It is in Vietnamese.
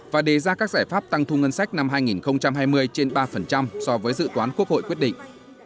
và đề ra các giải pháp tăng thu ngân sách năm hai nghìn hai mươi trên ba so với dự toán quốc hội quyết định